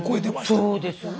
そうですね。